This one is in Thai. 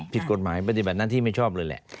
ผิดกฎหมายปฏิบัติหน้าที่ไม่ชอบเลยแหละ